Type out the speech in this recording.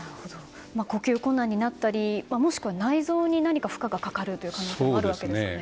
呼吸困難になったりもしくは内臓に何か負荷がかかる可能性もあるわけですかね。